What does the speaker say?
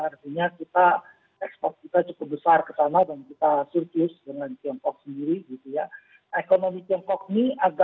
artinya kita ekspor kita cukup besar ke sana dan kita surplus dengan tiongkok sendiri gitu ya